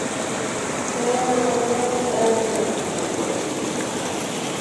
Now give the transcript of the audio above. Caía la tarde. De Huelva llegaba un olor a marisma, a brea.